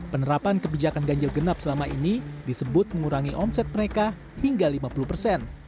penerapan kebijakan ganjil genap selama ini disebut mengurangi omset mereka hingga lima puluh persen